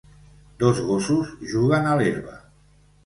Dos gossos juguen a l'herba.